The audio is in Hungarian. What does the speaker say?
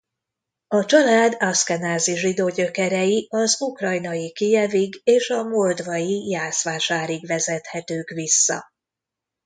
A család askenázi zsidó gyökerei az ukrajnai Kijevig és a moldvai Jászvásárig vezethetők vissza.